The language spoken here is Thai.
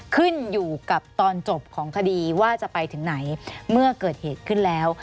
ขึ้นอยู่กับตอนจบของคดีว่าจะไปถึงไหนเมื่อเกิดเหตุขึ้นแล้ว